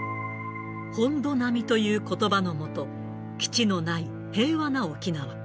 本土並みということばのもと、基地のない、平和な沖縄。